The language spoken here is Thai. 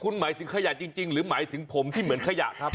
คุณหมายถึงขยะจริงหรือหมายถึงผมที่เหมือนขยะครับ